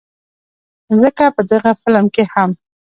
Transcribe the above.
ځکه په دغه فلم کښې هم